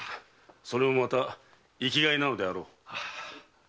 それもまた生き甲斐なのであろう。